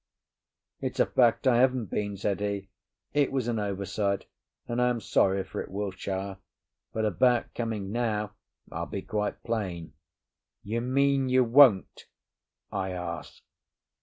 "It's a fact I haven't been," said he. "It was an oversight, and I am sorry for it, Wiltshire. But about coming now, I'll be quite plain." "You mean you won't?" I asked.